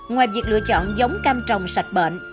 ngoài việc lựa chọn giống cam trồng sạch bệnh